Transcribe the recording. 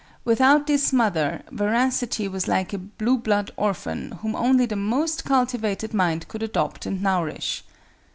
Without this mother, Veracity was like a blue blood orphan whom only the most cultivated mind could adopt and nourish.